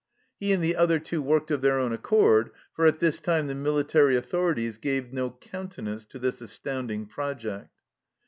He and the other two worked of their own accord, for at this time the military authorities gave no countenance to this astounding project.